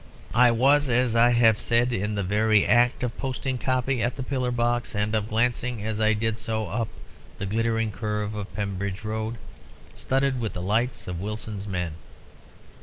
"I was, as I have said, in the very act of posting my copy at the pillar box, and of glancing as I did so up the glittering curve of Pembridge Road, studded with the lights of Wilson's men.